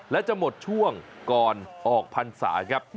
และจะหมดช่วงก่อนออกพรรษาครับ